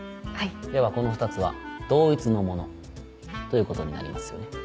ではこの２つは同一のものということになりますよね。